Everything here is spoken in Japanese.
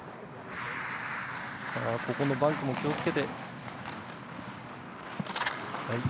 ここのバンクも気をつけて。